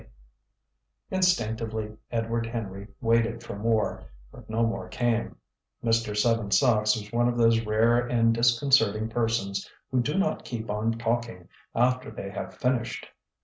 K." Instinctively Edward Henry waited for more; but no more came. Mr. Seven Sachs was one of those rare and disconcerting persons who do not keep on talking after they have finished.